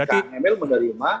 dan kang emil menerima